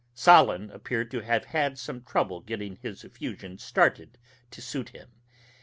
Solon appeared to have had some trouble getting his effusion started to suit him.